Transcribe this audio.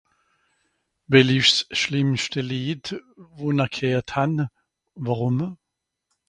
well isch s'schlimmste lied wo'nr g'heert han wòrùm